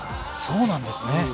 そうなんですね。